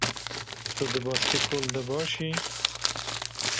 Tu di basketbolê de baş î?